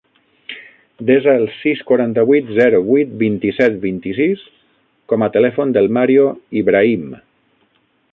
Desa el sis, quaranta-vuit, zero, vuit, vint-i-set, vint-i-sis com a telèfon del Mario Ibrahim.